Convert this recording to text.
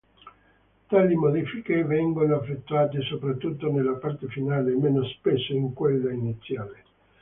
Tali modifiche vengono effettuate soprattutto nella parte finale, meno spesso in quella iniziale.